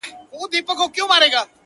ږغ ده محترم ناشناس صاحب!.